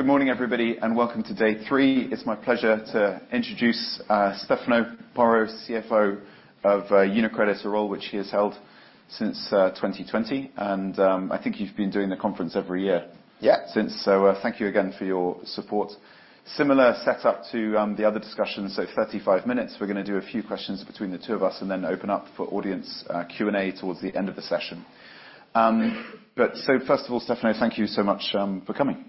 Good morning, everybody, and welcome to day three. It's my pleasure to introduce Stefano Porro, CFO of UniCredit, a role which he has held since 2020. I think you've been doing the conference every year- Yeah Thank you again for your support. Similar setup to the other discussions, so 35 minutes. We're gonna do a few questions between the two of us, and then open up for audience Q&A towards the end of the session. But so first of all, Stefano, thank you so much for coming.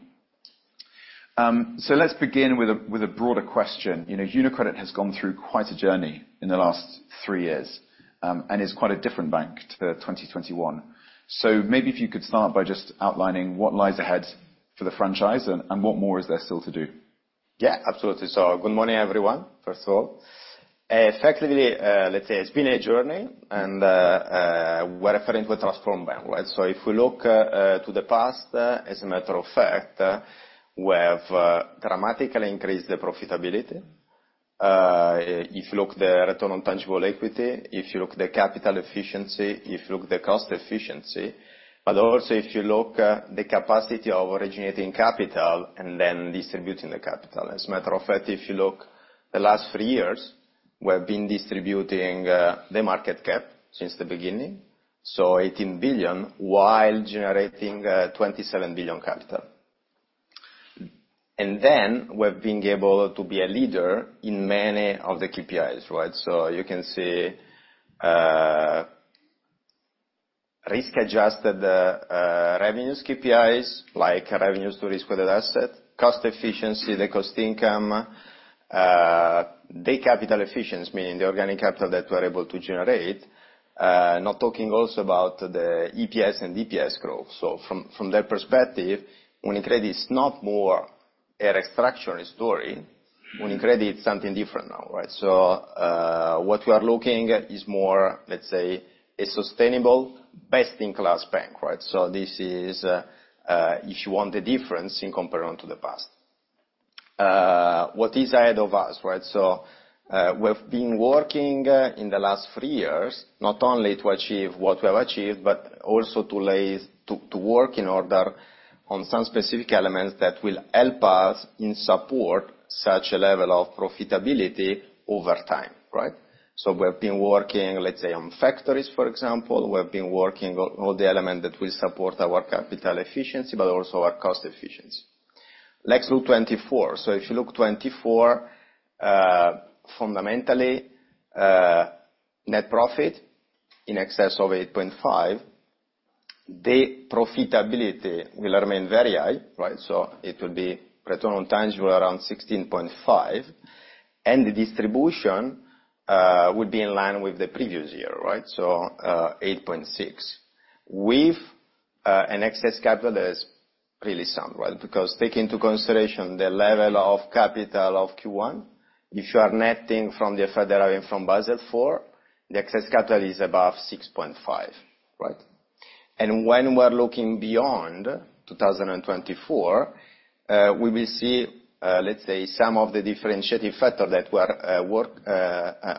So let's begin with a broader question. You know, UniCredit has gone through quite a journey in the last three years, and is quite a different bank to 2021. So maybe if you could start by just outlining what lies ahead for the franchise and what more is there still to do? Yeah, absolutely. So good morning, everyone, first of all. Effectively, let's say it's been a journey, and we're referring to a transformed bank, right? So if we look to the past, as a matter of fact, we have dramatically increased the profitability. If you look the return on tangible equity, if you look the capital efficiency, if you look the cost efficiency, but also if you look at the capacity of originating capital, and then distributing the capital. As a matter of fact, if you look the last three years, we have been distributing the market cap since the beginning, so 18 billion, while generating twenty-seven billion capital. And then we've been able to be a leader in many of the KPIs, right? So you can see, risk-adjusted revenues KPIs, like revenues to risk-adjusted asset, cost efficiency, the cost income, the capital efficiency, meaning the organic capital that we're able to generate. Not talking also about the EPS and DPS growth. So from that perspective, UniCredit is not more a restructuring story. UniCredit is something different now, right? So what we are looking is more, let's say, a sustainable, best-in-class bank, right? So this is, if you want the difference in comparison to the past. What is ahead of us, right? So we've been working in the last three years, not only to achieve what we have achieved, but also to lay to work in order on some specific elements that will help us in support such a level of profitability over time, right? We have been working, let's say, on factors, for example. We have been working on all the elements that will support our capital efficiency, but also our cost efficiency. Let's look 2024. If you look 2024, fundamentally, net profit in excess of 8.5, the profitability will remain very high, right? It will be return on tangible around 16.5, and the distribution would be in line with the previous year, right? 8.6. With an excess capital, that's really something, right? Because take into consideration the level of capital of Q1. If you are netting from the final and from Basel IV, the excess capital is above 6.5, right? When we're looking beyond 2024, we will see, let's say, some of the differentiating factor that we are working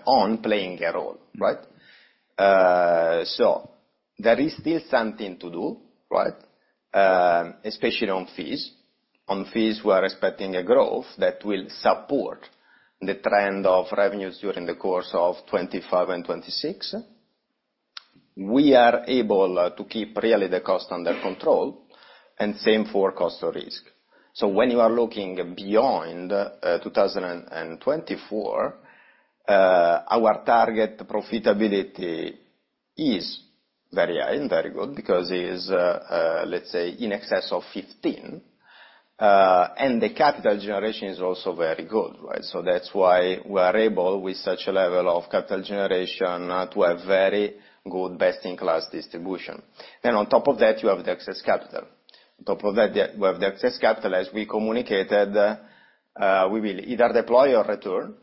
on playing a role, right? So there is still something to do, right, especially on fees. On fees, we are expecting a growth that will support the trend of revenues during the course of 2025 and 2026. We are able to keep really the cost under control, and same for cost of risk. So when you are looking beyond 2024, our target profitability is very high and very good because it is, let's say, in excess of 15. And the capital generation is also very good, right? So that's why we are able, with such a level of capital generation, to have very good best-in-class distribution. Then on top of that, you have the excess capital. On top of that, with the excess capital, as we communicated, we will either deploy or return.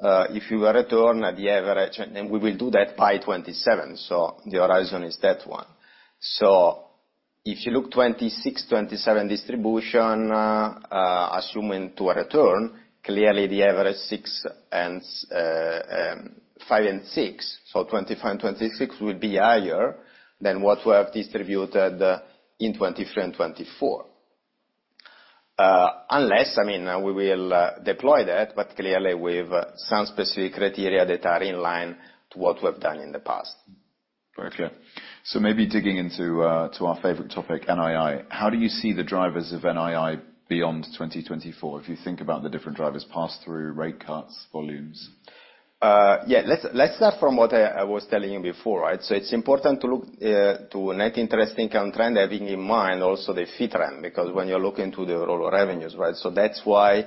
If you return at the average, and then we will do that by 2027, so the horizon is that one. So if you look 2026, 2027 distribution, assuming to a return, clearly the average 6 and 5 and 6, so 2025 and 2026 will be higher than what we have distributed in 2023 and 2024. Unless, I mean, we will deploy that, but clearly with some specific criteria that are in line to what we've done in the past. Very clear. So maybe digging into to our favorite topic, NII, how do you see the drivers of NII beyond 2024? If you think about the different drivers, pass-through, rate cuts, volumes. Yeah. Let's start from what I was telling you before, right? So it's important to look to net interest income trend, having in mind also the fee trend, because when you look into the overall revenues, right? So that's why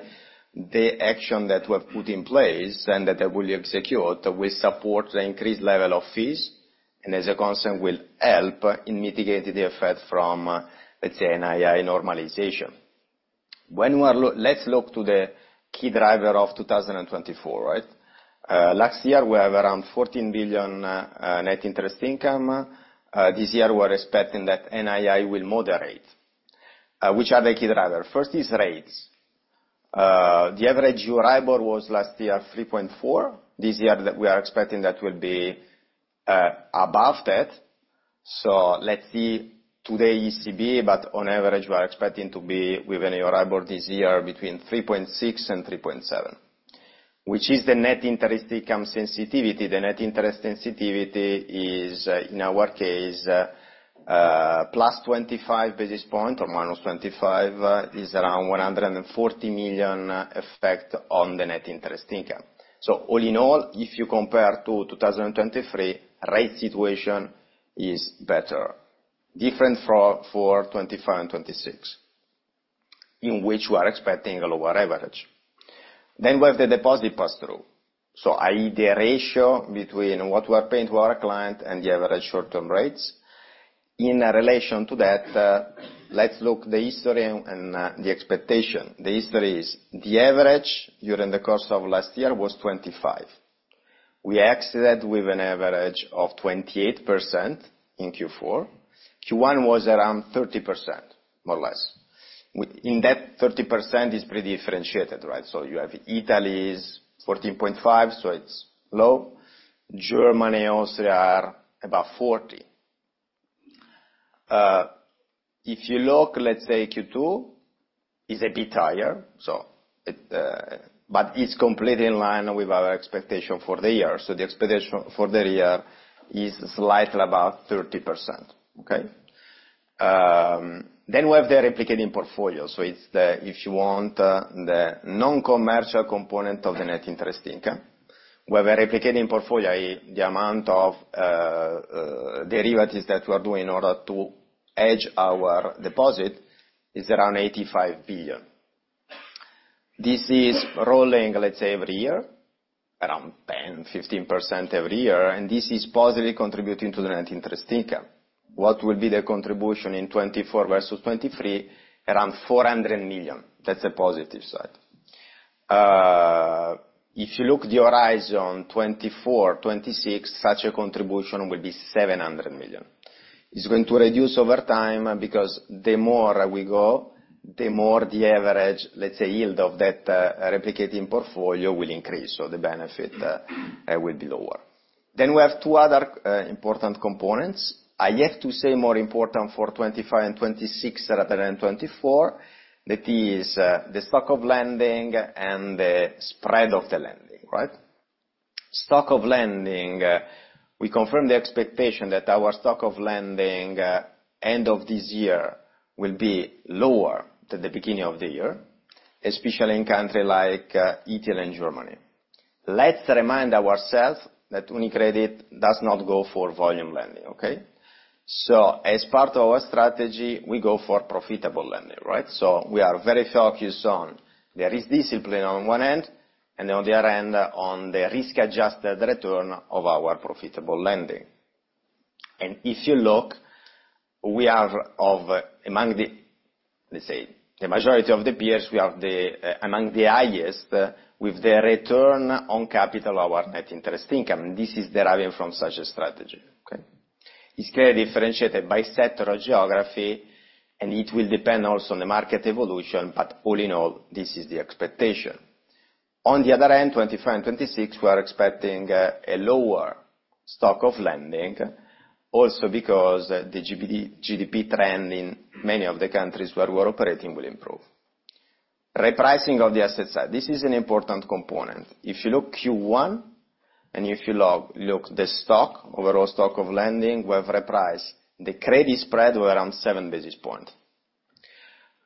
the action that we have put in place and that they will execute will support the increased level of fees, and as a concern, will help in mitigating the effect from, let's say, NII normalization. Let's look to the key driver of 2024, right? Last year, we have around 14 billion net interest income. This year, we're expecting that NII will moderate. Which are the key driver? First is rates. The average EURIBOR was last year 3.4. This year, that we are expecting that will be above that. So let's see today ECB, but on average, we are expecting to be with an EURIBOR this year between 3.6 and 3.7. Which is the net interest income sensitivity? The net interest sensitivity is, in our case, plus 25 basis points or minus 25, is around 140 million effect on the net interest income. So all in all, if you compare to 2023, rate situation is better. Different for, for 2025 and 2026, in which we are expecting a lower average. Then we have the deposit pass-through, so, i.e., the ratio between what we are paying to our client and the average short-term rates. In relation to that, let's look the history and, the expectation. The history is the average during the course of last year was 25. We exited with an average of 28% in Q4. Q1 was around 30%, more or less. In that 30% is pretty differentiated, right? So you have Italy's 14.5, so it's low. Germany also are about 40. If you look, let's say Q2, is a bit higher, so it. But it's completely in line with our expectation for the year. So the expectation for the year is slightly above 30%. Okay? Then we have the replicating portfolio. So it's the, if you want, the non-commercial component of the net interest income, where the replicating portfolio, i.e., the amount of derivatives that we are doing in order to hedge our deposit, is around 85 billion. This is rolling, let's say, every year, around 10%-15% every year, and this is positively contributing to the net interest income. What will be the contribution in 2024 versus 2023? Around 400 million. That's a positive side. If you look the horizon, 2024, 2026, such a contribution will be 700 million. It's going to reduce over time, because the more we go, the more the average, let's say, yield of that replicating portfolio will increase, so the benefit will be lower. Then we have two other important components. I have to say more important for 2025 and 2026 rather than 2024. That is, the stock of lending and the spread of the lending, right? Stock of lending, we confirm the expectation that our stock of lending end of this year will be lower than the beginning of the year, especially in country like Italy and Germany. Let's remind ourselves that UniCredit does not go for volume lending, okay? So as part of our strategy, we go for profitable lending, right? So we are very focused on there is discipline on one end, and on the other end, on the risk-adjusted return of our profitable lending. And if you look, we are among the, let's say, the majority of the peers, we are the, among the highest with the return on capital, our Net Interest Income, and this is deriving from such a strategy, okay? It's clearly differentiated by sector or geography, and it will depend also on the market evolution, but all in all, this is the expectation. On the other end, 2025 and 2026, we are expecting a lower stock of lending, also because the GDP trend in many of the countries where we're operating will improve. Repricing of the asset side, this is an important component. If you look at Q1, and if you look at the stock, overall stock of lending, we have repriced the credit spread of around 7 basis point.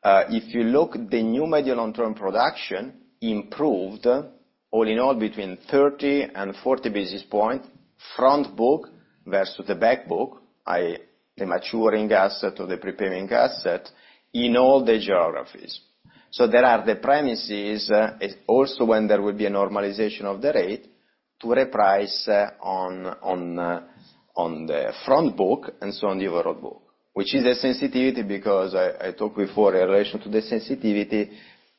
If you look, the new medium and long-term production improved, all in all, between 30 and 40 basis point, front book versus the back book, i.e., the maturing asset or the repricing asset, in all the geographies. So there are the premises, and also when there will be a normalization of the rate to reprice, on the front book and so on the overall book. Which is a sensitivity, because I talked before in relation to the sensitivity.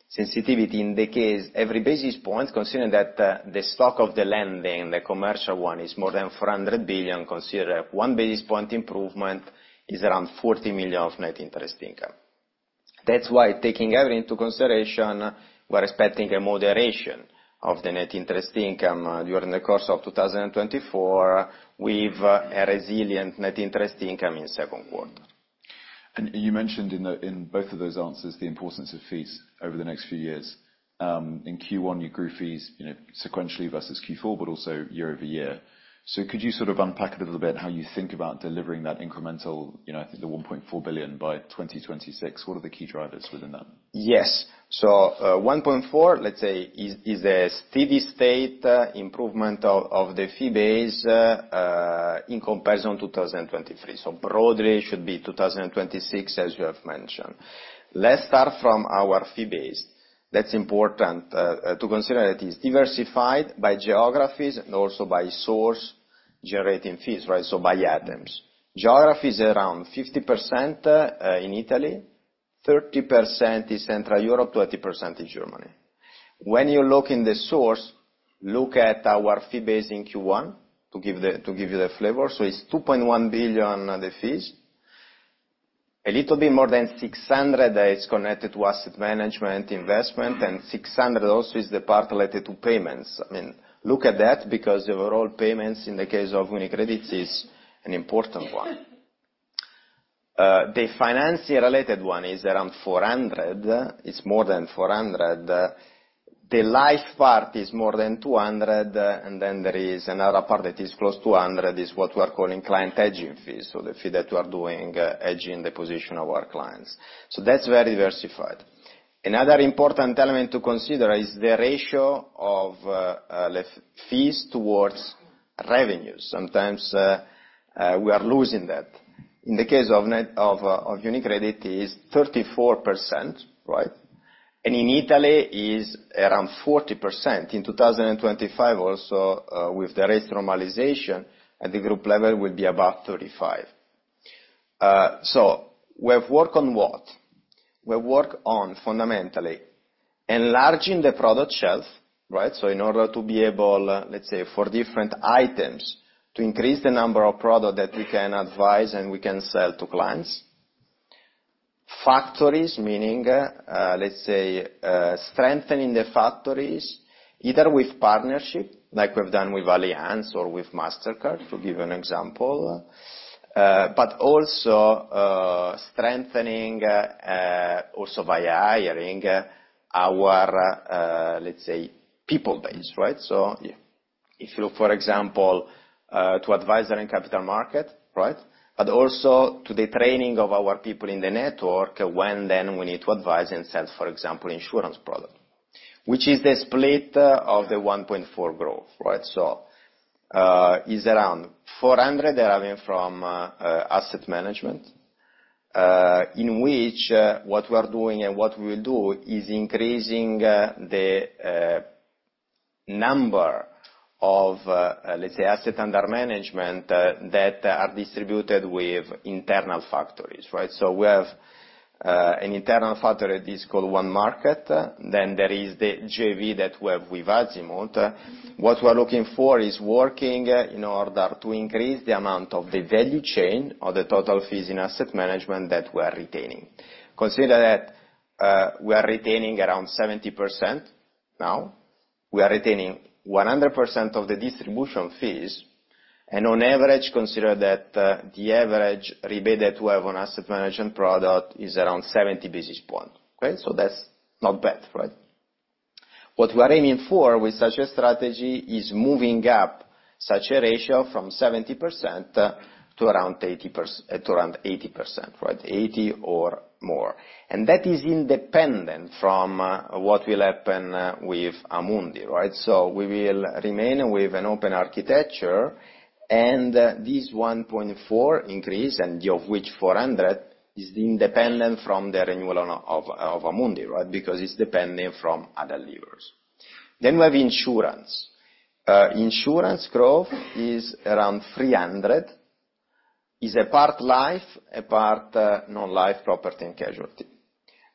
Sensitivity indicates every basis point, considering that the stock of the lending, the commercial one, is more than 400 billion, consider one basis point improvement is around 40 million of net interest income. That's why taking everything into consideration, we're expecting a moderation of the Net Interest Income during the course of 2024, with a resilient Net Interest Income in second quarter. You mentioned in the, in both of those answers, the importance of fees over the next few years. In Q1, you grew fees, you know, sequentially versus Q4, but also year-over-year. Could you sort of unpack a little bit how you think about delivering that incremental, you know, I think the 1.4 billion by 2026? What are the key drivers within that? Yes. So, 1.4, let's say, is a steady state improvement of the fee base in comparison to 2023. So broadly, it should be 2026, as you have mentioned. Let's start from our fee base. That's important to consider that it is diversified by geographies and also by source generating fees, right? So by items. Geography is around 50% in Italy, 30% is Central Europe, 20% is Germany. When you look in the source, look at our fee base in Q1 to give the, to give you the flavor. So it's 2.1 billion, the fees. A little bit more than 600 million is connected to asset management investment, and 600 million also is the part related to payments. I mean, look at that, because the overall payments in the case of UniCredit is an important one. The financial related one is around 400, it's more than 400. The life part is more than 200, and then there is another part that is close to 100, is what we are calling client hedging fees, so the fee that we are doing hedging the position of our clients. So that's very diversified. Another important element to consider is the ratio of fees towards revenues. Sometimes, we are losing that. In the case of net of UniCredit, it is 34%, right? And in Italy, is around 40%. In 2025 also, with the rate normalization at the group level will be about 35%. So we have worked on what? We work on fundamentally enlarging the product shelf, right? So in order to be able, let's say, for different items, to increase the number of product that we can advise and we can sell to clients. Factories, meaning, let's say, strengthening the factories, either with partnership, like we've done with Allianz or with Mastercard, to give you an example. But also, strengthening, also by hiring, our, let's say, people base, right? So if you look, for example, to advisor in capital market, right? But also to the training of our people in the network, when then we need to advise and sell, for example, insurance product, which is the split of the 1.4 growth, right? So, is around 400 deriving from asset management, in which what we are doing and what we will do is increasing the number of, let's say, asset under management that are distributed with internal factories, right? So we have an internal factory, it is called onemarkets. Then there is the JV that we have with Azimut. What we're looking for is working in order to increase the amount of the value chain or the total fees in asset management that we are retaining. Consider that we are retaining around 70% now. We are retaining 100% of the distribution fees, and on average, consider that the average rebate that we have on asset management product is around 70 basis points, okay? So that's not bad, right? What we're aiming for with such a strategy is moving up such a ratio from 70% to around 80%, right? 80% or more. And that is independent from what will happen with Amundi, right? So we will remain with an open architecture, and this 1.4 increase, and of which 400, is independent from the renewal of Amundi, right? Because it's depending from other levers. Then we have insurance. Insurance growth is around 300, is a part life, a part non-life, property and casualty.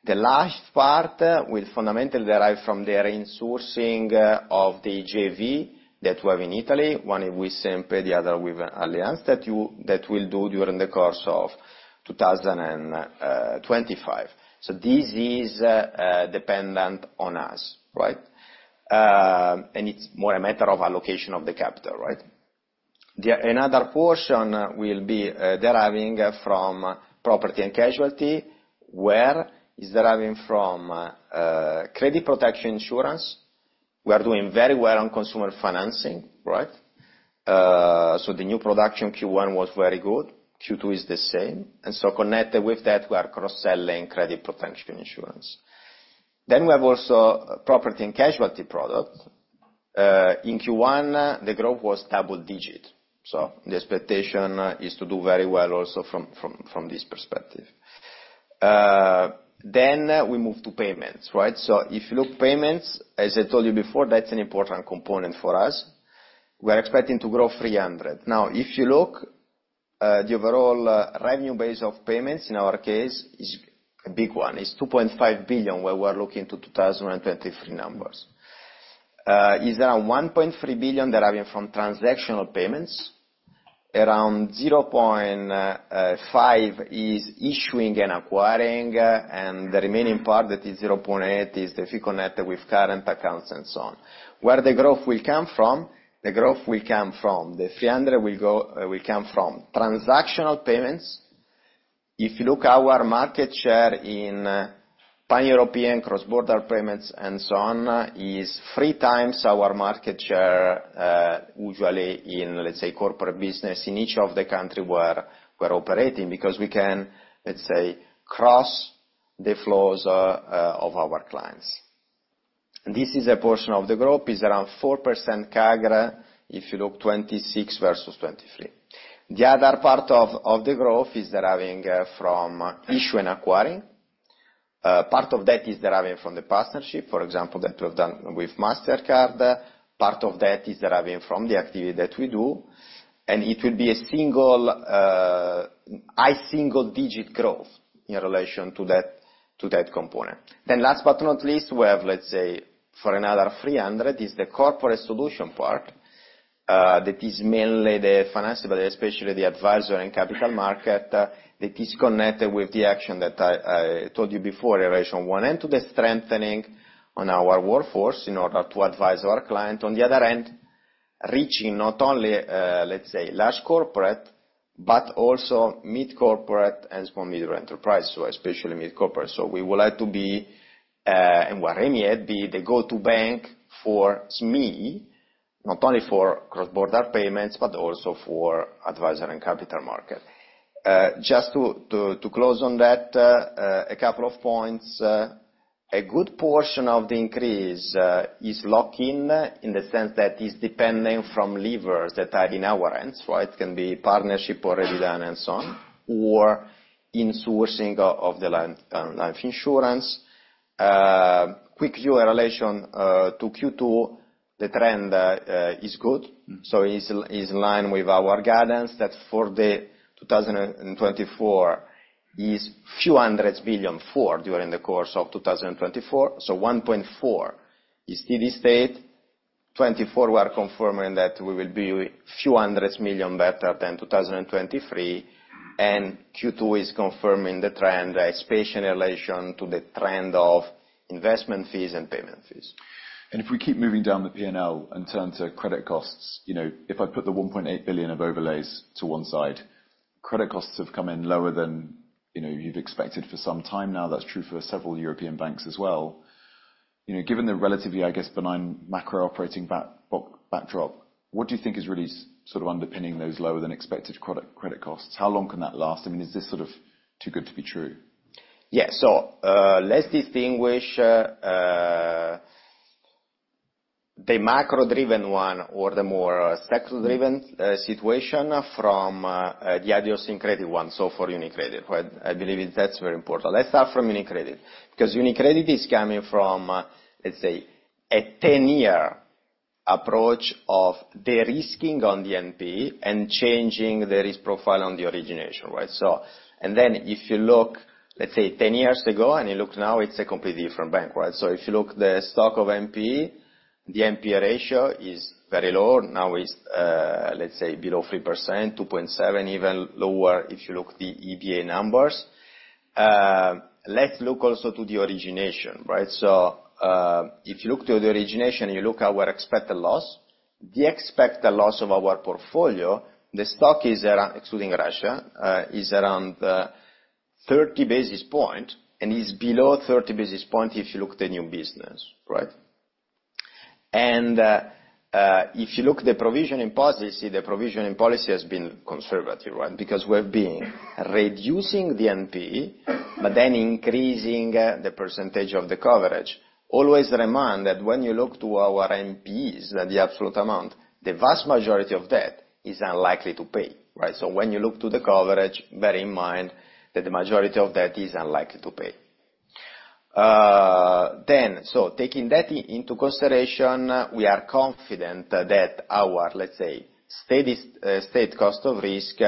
The large part will fundamentally derive from the reinsourcing of the JV that we have in Italy, one with CNP, the other with Allianz, that will do during the course of 2025. So this is dependent on us, right? And it's more a matter of allocation of the capital, right? Another portion will be deriving from property and casualty, whereas deriving from credit protection insurance. We are doing very well on consumer financing, right? So the new production Q1 was very good, Q2 is the same. And so connected with that, we are cross-selling credit protection insurance. Then we have also property and casualty product. In Q1, the growth was double-digit, so the expectation is to do very well also from this perspective. Then we move to payments, right? So if you look payments, as I told you before, that's an important component for us. We're expecting to grow 300. Now, if you look, the overall revenue base of payments in our case is a big one, it's 2.5 billion, where we're looking to 2023 numbers. Is around 1.3 billion deriving from transactional payments, around 0.5 billion is issuing and acquiring, and the remaining part, that is 0.8 billion, is the fee connected with current accounts and so on. Where the growth will come from? The growth will come from- the 300 million will come from transactional payments. If you look our market share in pan-European cross-border payments and so on, is 3 times our market share, usually in, let's say, corporate business in each of the country where we're operating, because we can, let's say, cross the flows of our clients. This is a portion of the group, is around 4% CAGR, if you look 2026 versus 2023. The other part of the growth is deriving from issue and acquiring. Part of that is deriving from the partnership, for example, that we've done with Mastercard. Part of that is deriving from the activity that we do, and it will be a single, high single digit growth in relation to that to that component. Then last but not least, we have, let's say, for another 300, is the corporate solution part, that is mainly the financial, but especially the advisory and capital market, that is connected with the action that I told you before, in relation one, and to the strengthening on our workforce in order to advise our client. On the other end, reaching not only, let's say, large corporate, but also mid-corporate and small-medium enterprise, especially mid-corporate. We would like to be, and we are indeed, the go-to bank for SME, not only for cross-border payments, but also for advisory and capital market. Just to close on that, a couple of points. A good portion of the increase is locked in, in the sense that it's depending from levers that are in our hands, right? It can be partnership already done and so on, or insourcing of the life insurance. Quick view in relation to Q2, the trend is good. It is in line with our guidance, that for 2024 is few hundreds million EUR during the course of 2024. 1.4 billion is steady state. 2024, we are confirming that we will be a few hundred million EUR better than 2023, and Q2 is confirming the trend, especially in relation to the trend of investment fees and payment fees. And if we keep moving down the P&L and turn to credit costs, you know, if I put the 1.8 billion of overlays to one side, credit costs have come in lower than, you know, you've expected for some time now. That's true for several European banks as well. You know, given the relatively, I guess, benign macroeconomic backdrop, what do you think is really sort of underpinning those lower than expected credit costs? How long can that last? I mean, is this sort of too good to be true? Yeah. So, let's distinguish the macro-driven one or the more sector-driven situation from the idiosyncratic one, so for UniCredit, right? I believe that's very important. Let's start from UniCredit, because UniCredit is coming from, let's say, a ten-year approach of de-risking on the NP and changing the risk profile on the origination, right? So... And then if you look, let's say, ten years ago, and you look now, it's a completely different bank, right? So if you look the stock of NPE, the NPE ratio is very low. Now, it's, let's say below 3%, 2.7, even lower, if you look the EBA numbers. Let's look also to the origination, right? So, if you look to the origination, you look our expected loss. The expected loss of our portfolio, the stock is around, excluding Russia, is around 30 basis points, and is below 30 basis points if you look the new business, right? And, if you look the provisioning policy, the provisioning policy has been conservative, right? Because we've been reducing the NPE, but then increasing the percentage of the coverage. Always remind that when you look to our NPEs, the absolute amount, the vast majority of that is unlikely to pay, right? So when you look to the coverage, bear in mind that the majority of that is unlikely to pay. Then, so taking that into consideration, we are confident that our, let's say, steady state cost of risk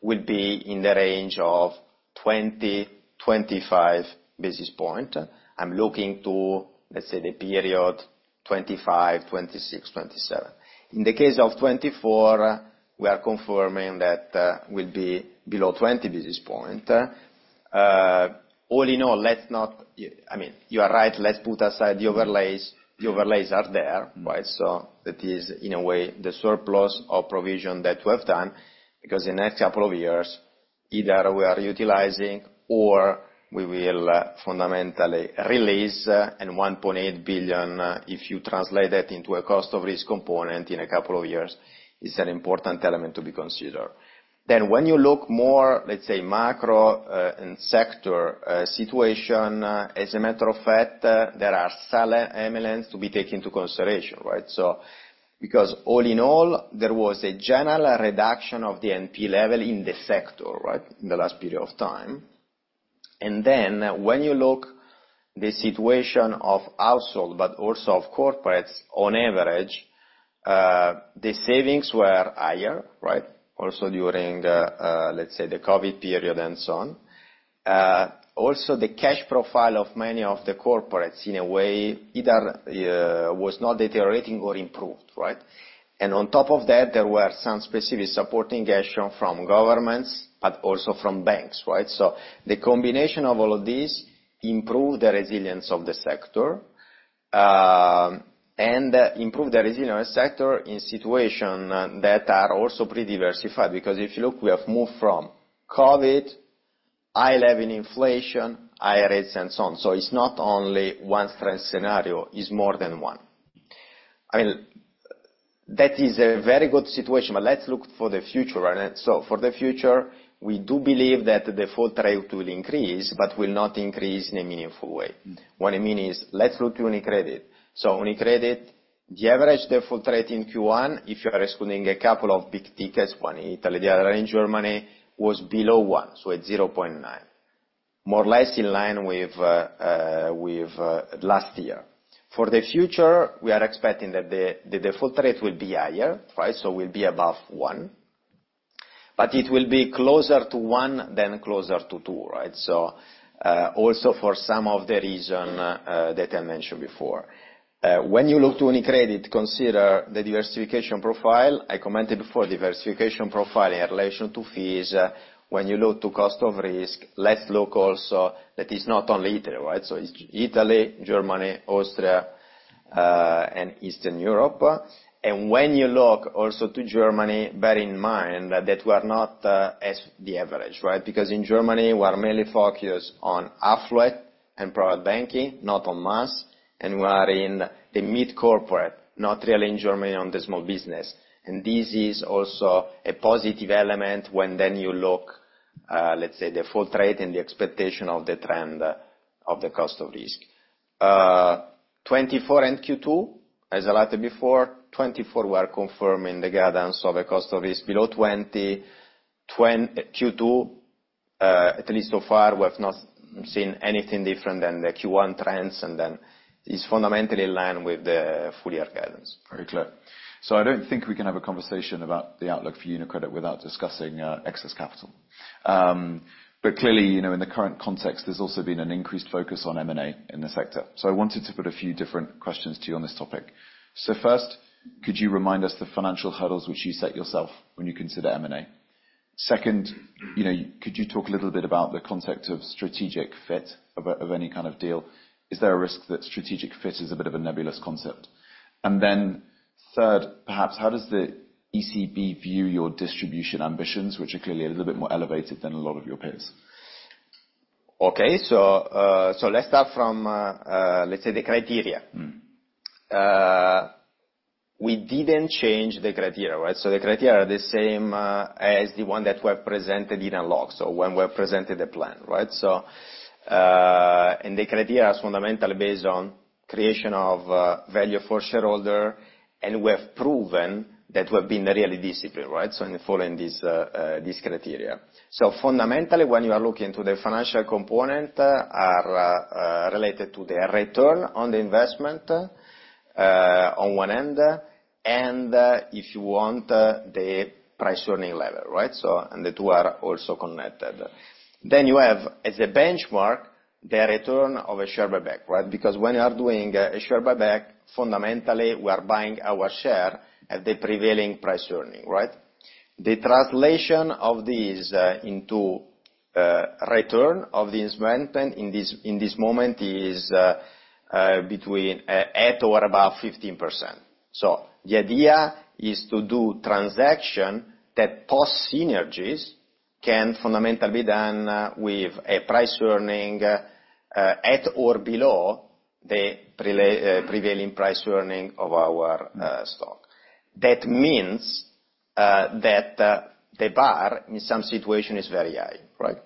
will be in the range of 20-25 basis points. I'm looking to, let's say, the period 2025, 2026, 2027. In the case of 2024, we are confirming that will be below 20 basis points. All in all, let's not... I mean, you are right, let's put aside the overlays. The overlays are there, right? So that is, in a way, the surplus of provision that we have done, because the next couple of years, either we are utilizing or we will fundamentally release, and 1.8 billion, if you translate that into a cost of risk component in a couple of years, is an important element to be considered. Then when you look more, let's say, macro, and sector situation, as a matter of fact, there are solid elements to be taken into consideration, right? So, because all in all, there was a general reduction of the NPE level in the sector, right, in the last period of time. And then when you look the situation of household, but also of corporates, on average, the savings were higher, right? Also, during the, let's say, the COVID period and so on. Also the cash profile of many of the corporates, in a way, either was not deteriorating or improved, right? And on top of that, there were some specific supporting action from governments, but also from banks, right? So the combination of all of these improved the resilience of the sector, and improved the resilience sector in situation that are also pretty diversified. Because if you look, we have moved from COVID, high level inflation, high rates, and so on. So it's not only one threat scenario, it's more than one. I mean, that is a very good situation, but let's look for the future, right? So for the future, we do believe that the default rate will increase, but will not increase in a meaningful way. Mm. What I mean is, let's look to UniCredit. So UniCredit, the average default rate in Q1, if you are excluding a couple of big tickets, one in Italy, the other in Germany, was below 1, so at 0.9. More or less in line with last year. For the future, we are expecting that the default rate will be higher, right? So will be above 1, but it will be closer to 1 than closer to 2, right? So, also for some of the reason that I mentioned before. When you look to UniCredit, consider the diversification profile. I commented before, diversification profile in relation to fees, when you look to cost of risk, let's look also that is not only Italy, right? So it's Italy, Germany, Austria, and Eastern Europe. And when you look also to Germany, bear in mind that we are not, as the average, right? Because in Germany, we are mainly focused on affluent and private banking, not on mass, and we are in the mid-corporate, not really in Germany, on the small business. And this is also a positive element when then you look, let's say, the full trade and the expectation of the trend, of the cost of risk. 2024 and Q2, as I highlighted before, 2024, we are confirming the guidance of a cost of risk below 20 Q2, at least so far, we've not seen anything different than the Q1 trends, and then it's fundamentally in line with the full year guidance. Very clear. So I don't think we can have a conversation about the outlook for UniCredit without discussing excess capital. But clearly, you know, in the current context, there's also been an increased focus on M&A in the sector. So I wanted to put a few different questions to you on this topic. So first, could you remind us the financial hurdles which you set yourself when you consider M&A? Second, you know, could you talk a little bit about the context of strategic fit of any kind of deal? Is there a risk that strategic fit is a bit of a nebulous concept? And then third, perhaps, how does the ECB view your distribution ambitions, which are clearly a little bit more elevated than a lot of your peers? Okay. So, let's start from, let's say, the criteria. Mm. We didn't change the criteria, right? So the criteria are the same as the one that were presented in unlock. So when we presented the plan, right? So, and the criteria is fundamentally based on creation of value for shareholder, and we have proven that we've been really disciplined, right? So in following this, this criteria. So fundamentally, when you are looking into the financial component, are related to the return on the investment on one end, and, if you want, the price earning level, right? And the two are also connected. Then you have, as a benchmark, the return of a share buyback, right? Because when you are doing a share buyback, fundamentally, we are buying our share at the prevailing price earning, right? The translation of this into return on the investment in this moment is between at or above 15%. So the idea is to do transaction that post synergies can fundamentally be done with a price earning at or below the prevailing price earning of our stock. That means that the bar, in some situation, is very high, right?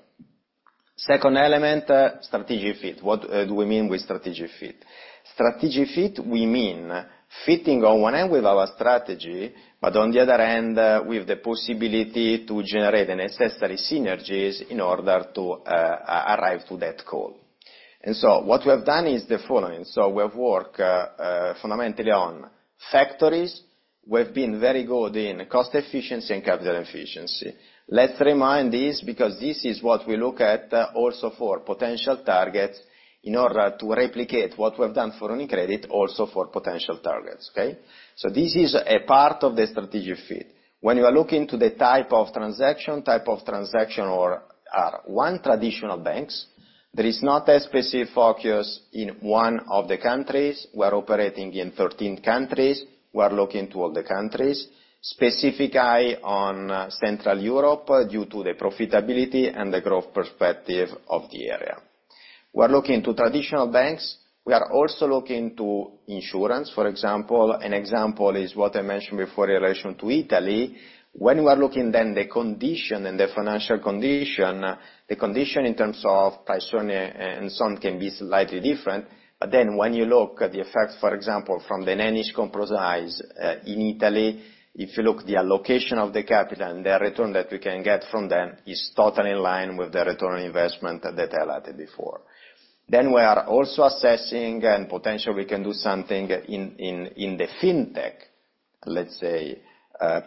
Second element, strategic fit. What do we mean with strategic fit? Strategic fit, we mean fitting on one end with our strategy, but on the other end with the possibility to generate the necessary synergies in order to arrive to that goal. And so what we have done is the following: so we have worked fundamentally on factories. We've been very good in cost efficiency and capital efficiency. Let's remind this, because this is what we look at, also for potential targets in order to replicate what we've done for UniCredit, also for potential targets, okay? So this is a part of the strategic fit. When you are looking to the type of transaction, type of transaction or, one, traditional banks, there is not a specific focus in one of the countries. We are operating in 13 countries. We are looking to all the countries, specific eye on Central Europe, due to the profitability and the growth perspective of the area. We are looking to traditional banks. We are also looking to insurance, for example. An example is what I mentioned before in relation to Italy. When we are looking, then the condition and the financial condition, the condition in terms of price earning and some can be slightly different. But then when you look at the effect, for example, from the Danish Compromise, in Italy, if you look the allocation of the capital and the return that we can get from them is totally in line with the return on investment that I highlighted before. Then we are also assessing, and potentially we can do something in the fintech, let's say,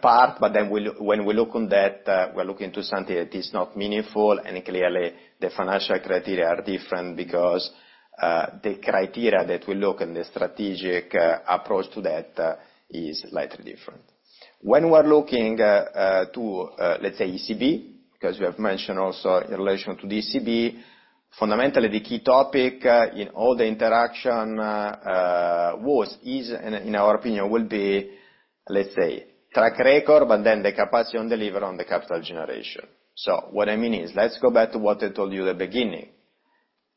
part, but then when we look on that, we're looking to something that is not meaningful, and clearly, the financial criteria are different because the criteria that we look and the strategic approach to that is slightly different. When we're looking to, let's say, ECB, because we have mentioned also in relation to the ECB, fundamentally, the key topic in all the interaction was, is, and in our opinion, will be, let's say, track record, but then the capacity to deliver on the capital generation. So what I mean is, let's go back to what I told you at the beginning.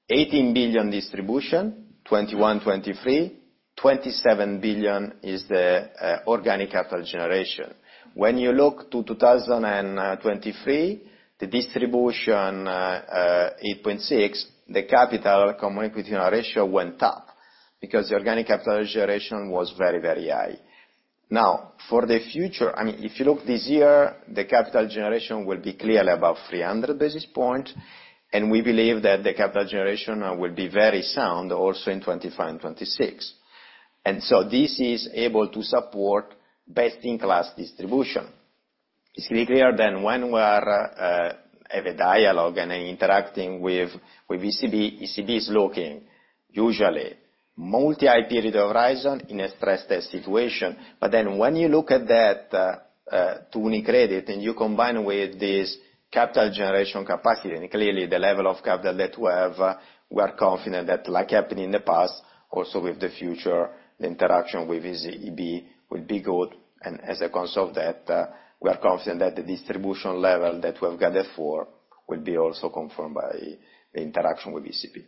18 billion distribution, 21, 23, 27 billion is the organic capital generation. When you look to 2023, the distribution 8.6 billion, the capital common equity ratio went up because the organic capital generation was very, very high. Now, for the future, I mean, if you look this year, the capital generation will be clearly above 300 basis points, and we believe that the capital generation will be very sound also in 2025 and 2026. And so this is able to support best-in-class distribution. It's clearer than when we have a dialogue and interacting with ECB. ECB is looking usually multi-period horizon in a stress test situation. But then when you look at that UniCredit, and you combine with this capital generation capacity, and clearly the level of capital that we have, we are confident that, like happened in the past, also with the future, the interaction with ECB will be good. As a result of that, we are confident that the distribution level that we have gathered for will be also confirmed by the interaction with ECB.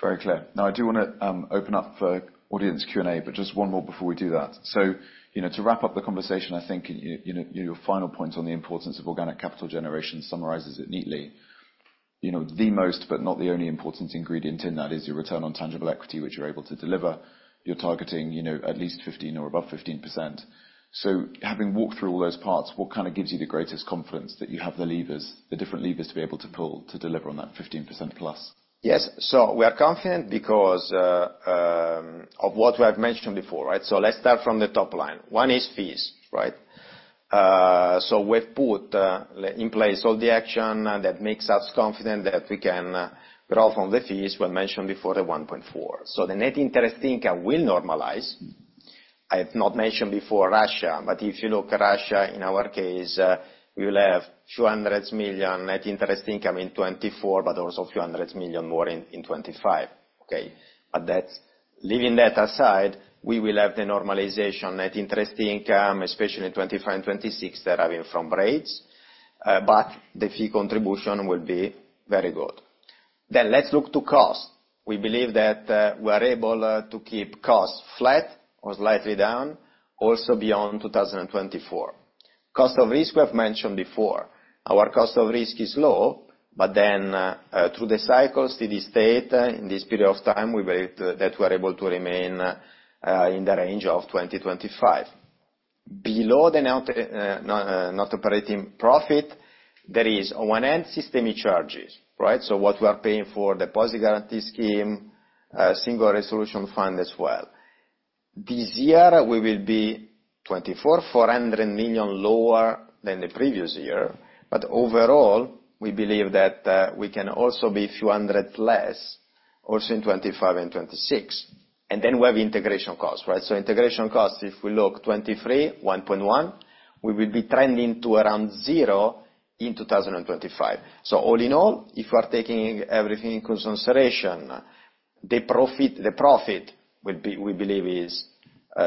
Very clear. Now, I do want to open up for audience Q&A, but just one more before we do that. So, you know, to wrap up the conversation, I think you know, your final point on the importance of organic capital generation summarizes it neatly. You know, the most, but not the only important ingredient in that, is your return on tangible equity, which you're able to deliver. You're targeting, you know, at least 15 or above 15%. So having walked through all those parts, what kind of gives you the greatest confidence that you have the levers, the different levers, to be able to pull to deliver on that 15%+? Yes. So we are confident because of what we have mentioned before, right? So let's start from the top line. One is fees, right? So we've put in place all the action that makes us confident that we can grow from the fees. We mentioned before, the 1.4. So the net interest income will normalize. I've not mentioned before Russia, but if you look at Russia, in our case, we will have 200 million net interest income in 2024, but also few hundred million more in 2025, okay? But that's... Leaving that aside, we will have the normalization net interest income, especially in 2025 and 2026, deriving from rates, but the fee contribution will be very good. Then let's look to cost. We believe that we are able to keep costs flat or slightly down, also beyond 2024. Cost of risk, we have mentioned before. Our cost of risk is low, but then through the cycle, steady state, in this period of time, we wait that we're able to remain in the range of 2025. Below the net operating profit, there is, on one end, systemic charges, right? So what we are paying for Deposit Guarantee Scheme, Single Resolution Fund as well. This year, we will be 244 million lower than the previous year, but overall, we believe that we can also be few hundred less, also in 2025 and 2026. And then we have integration costs, right? So integration costs, if we look at 2023, 1.1, we will be trending to around zero in 2025. So all in all, if we are taking everything in consideration, the profit, the profit will be- we believe is,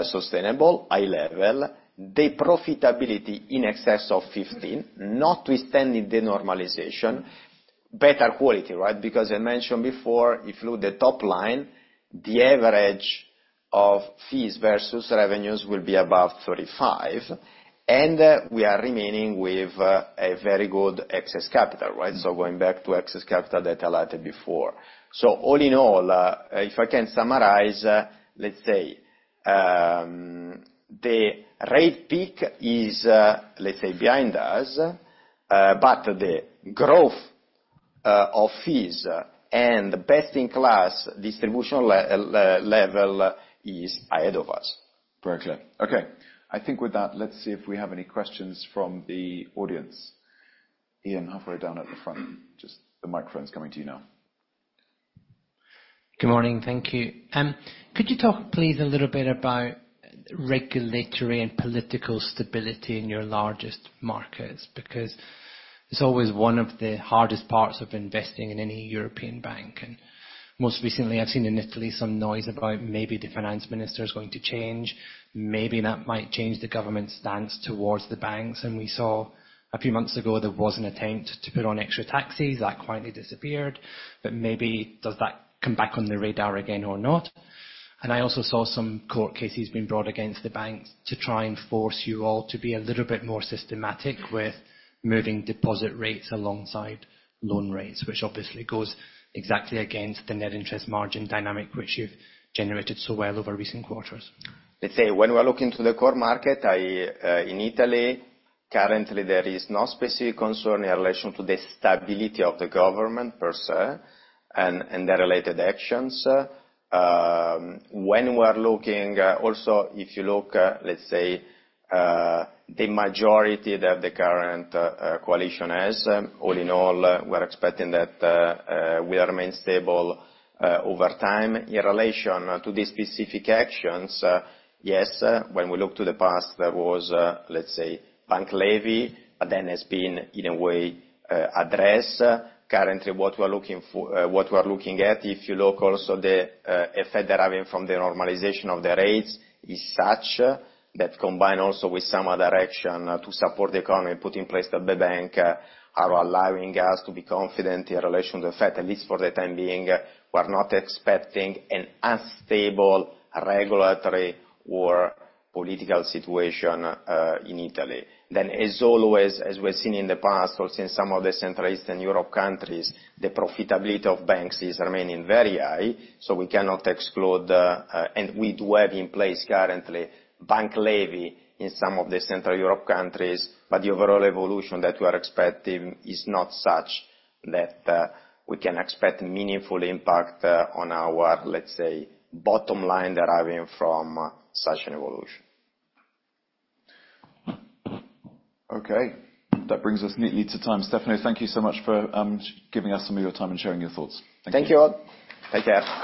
sustainable, high level. The profitability in excess of 15, notwithstanding the normalization. Better quality, right? Because I mentioned before, if you look the top line, the average of fees versus revenues will be above 35, and, we are remaining with, a very good excess capital, right? So going back to excess capital that I highlighted before. So all in all, if I can summarize, let's say, the rate peak is, let's say, behind us, but the growth, of fees and best-in-class distribution level is ahead of us. Very clear. Okay, I think with that, let's see if we have any questions from the audience. Ian, halfway down at the front. Just the microphone is coming to you now. Good morning. Thank you. Could you talk, please, a little bit about regulatory and political stability in your largest markets? Because it's always one of the hardest parts of investing in any European bank, and most recently, I've seen in Italy some noise about maybe the finance minister is going to change, maybe that might change the government's stance towards the banks. And we saw a few months ago, there was an attempt to put on extra taxes. That quietly disappeared. But maybe does that come back on the radar again or not? And I also saw some court cases being brought against the banks to try and force you all to be a little bit more systematic with moving deposit rates alongside loan rates, which obviously goes exactly against the net interest margin dynamic, which you've generated so well over recent quarters. Let's say, when we are looking to the core market, in Italy, currently, there is no specific concern in relation to the stability of the government, per se, and the related actions. When we are looking, also, if you look, let's say, the majority that the current coalition has, all in all, we're expecting that we remain stable over time. In relation to the specific actions, yes, when we look to the past, there was, let's say, Bank Levy, but then has been, in a way, addressed. Currently, what we are looking for, what we are looking at, if you look also the effect deriving from the normalization of the rates, is such that combine also with some other action to support the economy put in place that the bank are allowing us to be confident in relation to the fact, at least for the time being, we are not expecting an unstable regulatory or political situation in Italy. Then, as always, as we've seen in the past, also in some of the Central Eastern Europe countries, the profitability of banks is remaining very high, so we cannot exclude the... We do have in place currently Bank Levy in some of the Central Europe countries, but the overall evolution that we are expecting is not such that we can expect meaningful impact on our, let's say, bottom line deriving from such an evolution. Okay, that brings us neatly to time. Stefano, thank you so much for giving us some of your time and sharing your thoughts. Thank you. Thank you all. Take care.